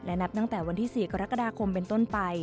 นับตั้งแต่วันที่๔กรกฎาคมเป็นต้นไป